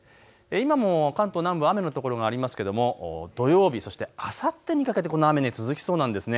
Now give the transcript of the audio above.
今も関東南部雨の所がありますけれども土曜日そしてあさってにかけてこの雨続きそうなんですね。